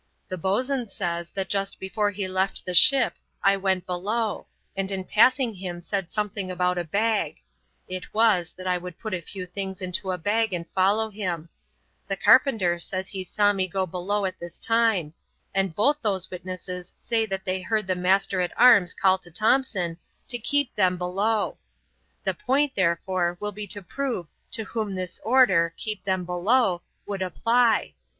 The boatswain says, that just before he left the ship I went below, and in passing him said something about a bag (it was, that I would put a few things into a bag and follow him); the carpenter says he saw me go below at this time; and both those witnesses say that they heard the master at arms call to Thompson "to keep them below." The point, therefore, will be to prove to whom this order, "keep them below," would apply.